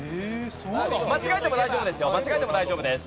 間違えても大丈夫ですよ。